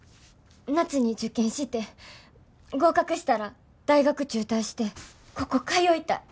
夏に受験して合格したら大学中退してここ通いたい。